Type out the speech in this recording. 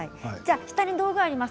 下に道具があります。